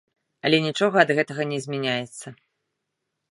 Але нічога ад гэтага не змяняецца.